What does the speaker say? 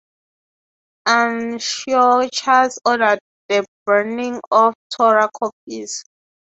Antiochus ordered the burning of Torah copies.